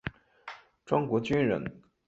庄国钧人。